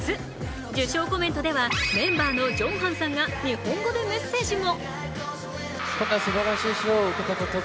受賞コメントではメンバーのＪＥＯＮＧＨＡＮさんが日本語でメッセージも。